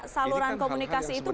saluran komunikasi itu